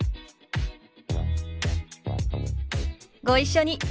ご一緒に。